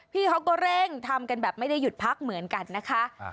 พี่เขาก็เร่งทำกันแบบไม่ได้หยุดพักเหมือนกันนะคะ